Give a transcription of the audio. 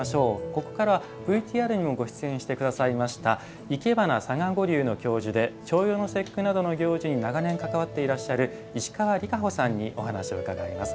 ここからはＶＴＲにもご出演してくださいましたいけばな嵯峨御流の教授で重陽の節句などの行事に長年関わってらっしゃる石川利佳甫さんにお話を伺います。